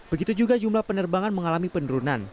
begitu juga jumlah penerbangan mengalami penurunan